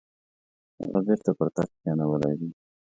هغه بیرته پر تخت کښېنولی دی.